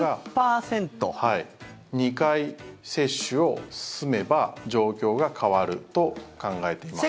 ２回、接種を済めば状況が変わると考えています。